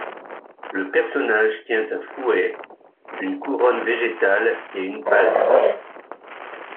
Le personnage tient un fouet, une couronne végétale et une palme.